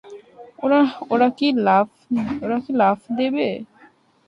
ওরা কি লাফ দেবে?